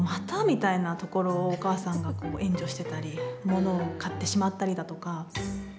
みたいなところをお母さんが援助していたり物を買ってしまったりだとか。